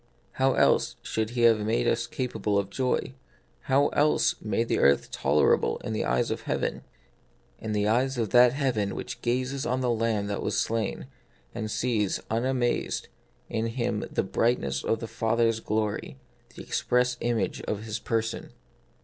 How else should He have made us capable of joy, how else have made earth tolerable in the eyes of hea ven ?— in the eyes of that heaven which gazes on the Lamb that has been slain, and sees, un amazed, in Him the brightness of the Father's glory, the express image of His person.